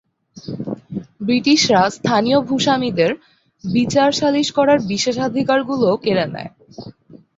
ব্রিটিশরা স্থানীয় ভূস্বামীদের বিচার, সালিশ করার বিশেষাধিকারগুলোও কেড়ে নেয়।